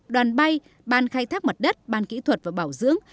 đoàn bay ban khai thác mặt đất ban kỹ thuật và bảo dưỡng